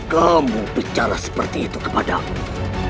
kamu bicara seperti itu kepadaku